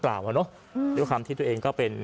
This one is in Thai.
หรือน่ะด้วยคำที่ตัวเองก็เป็น